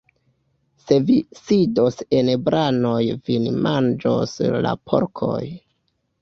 Se vi sidos en branoj, vin manĝos la porkoj.